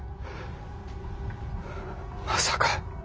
まさか。